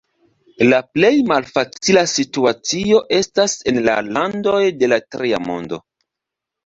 La plej malfacila situacio estas en la landoj de la Tria Mondo.